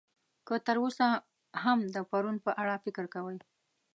که تر اوسه هم د پرون په اړه فکر کوئ.